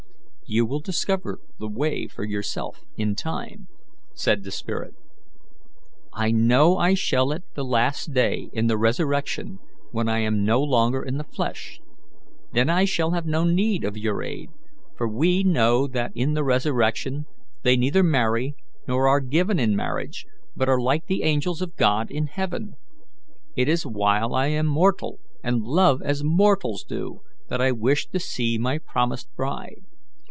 "You will discover the way for yourself in time," said the spirit. "I know I shall at the last day, in the resurrection, when I am no longer in the flesh. Then I shall have no need of your aid; for we, know that in the resurrection they neither marry nor are given in marriage, but are like the angels of God in heaven. It is while I am mortal, and love as mortals do, that I wish to see my promised bride.